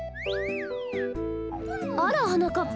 あらはなかっ